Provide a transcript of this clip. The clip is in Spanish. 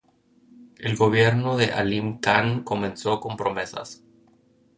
El gobierno de Alim Khan comenzó con promesas.